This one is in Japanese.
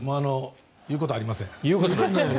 言うことありません。